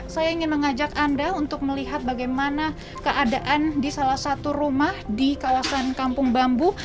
saya ingin mengajak anda untuk melihat bagaimana keadaan di salah satu rumah di kawasan kampung bambu